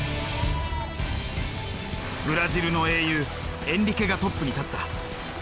ブラジルの英雄エンリケがトップに立った。